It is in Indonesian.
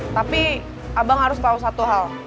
tapi abang harus tahu satu hal